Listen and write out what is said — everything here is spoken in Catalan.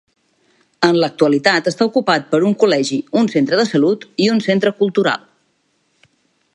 En l'actualitat està ocupat per un col·legi, un centre de salut i un centre cultural.